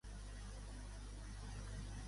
Sánchez ja no fa servir el to triomfalista.